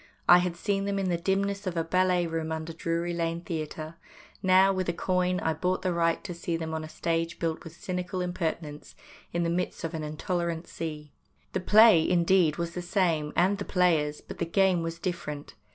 I had seen them in the dimness of a ballet room under Drury Lane Theatre ; now, with a coin, I bought the right to see them on a stage built with cynical impertinence in the midst of the intolerant sea. The play, indeed, was the same, and the players, but the game was different.